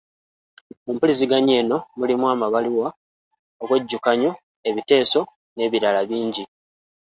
Mu mpuliziganya eno mulimu amabaluwa, obwejjukanyo, ebiteeso n'ebirala bingi.